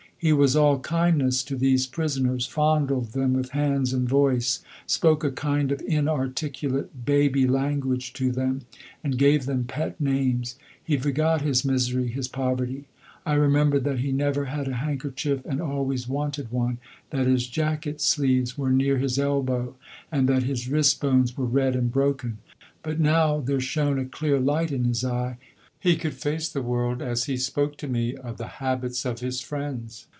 He was all kindness to these prisoners, fondled them with hands and voice, spoke a kind of inarticulate baby language to them, and gave them pet names. He forgot his misery, his poverty I remember that he never had a handkerchief and always wanted one, that his jacket sleeves were near his elbow, and that his wrist bones were red and broken. But now there shone a clear light in his eye; he could face the world as he spoke to me of the habits of his friends.